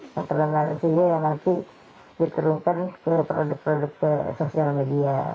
kontra narasinya yang nanti diterungkan ke produk produk ke sosial media